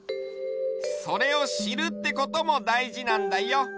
それをしるってこともだいじなんだよ。